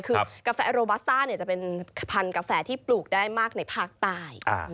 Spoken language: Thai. คือกาแฟโรบัสต้าจะเป็นพันธุ์กาแฟที่ปลูกได้มากในภาคใต้